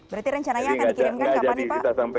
berarti rencananya akan dikirimkan kapan nih pak